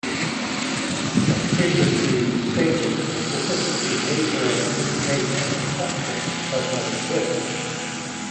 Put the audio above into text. As previously stated, a specific behavioral indicator of deception does not exist.